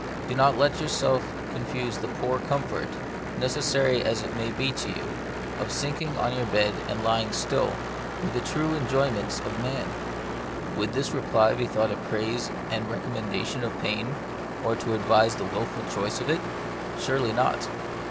Do not let yourself confuse the poor comfort, necessary as it may be to you, of sinking on your bed and lying still, with the true enjoy ments of a man." Would this reply be thought a praise and recommendation of pain, or to advise the wilful choice of it ? Surely not.